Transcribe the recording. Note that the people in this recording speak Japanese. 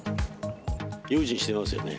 用心してますよね。